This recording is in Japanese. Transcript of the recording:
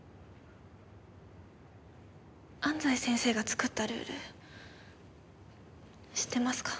安西先生が作ったルール知ってますか？